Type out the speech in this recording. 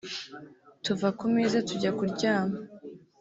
tuva ku meza tujya kuryama